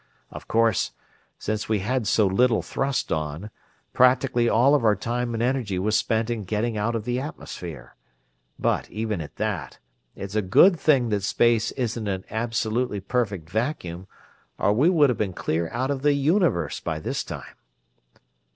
Of course, since we had so little thrust on, practically all of our time and energy was spent in getting out of the atmosphere; but, even at that, it's a good thing that space isn't an absolutely perfect vacuum or we would have been clear out of the Universe by this time."